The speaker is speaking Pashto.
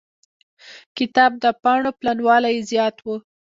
کتاب د پاڼو پلنوالی يې زيات و.